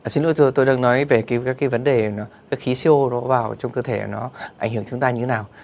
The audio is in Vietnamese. xin lỗi tôi đang nói về các vấn đề khí siêu vào trong cơ thể nó ảnh hưởng chúng ta như thế nào